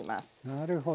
なるほど。